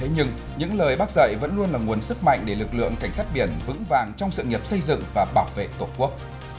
nhưng những lời bác dạy vẫn luôn là nguồn sức mạnh để lực lượng cảnh sát biển vững vàng trong sự nghiệp xây dựng và bảo vệ tổ quốc